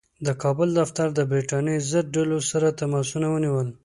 د کابل دفتر د برټانیې ضد ډلو سره تماسونه ونیول.